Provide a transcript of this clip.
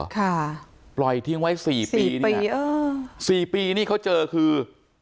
ค่ะปล่อยทิ้งไว้สี่ปีนี่สี่ปีนี่เขาเจอคือ